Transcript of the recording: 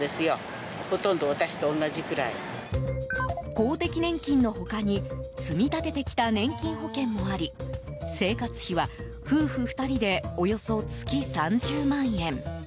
公的年金の他に積み立ててきた年金保険もあり生活費は夫婦２人でおよそ月３０万円。